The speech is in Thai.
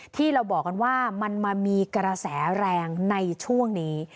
ที่เราบอกกันว่ามันมามีกระแสแรงในช่วงนี้